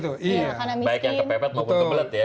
baik yang kepepet maupun kebelet ya